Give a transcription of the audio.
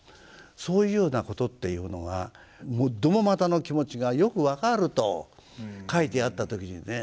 そういうようなことっていうのが吃又の気持ちがよく分かると書いてあった時にね